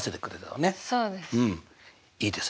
そうです。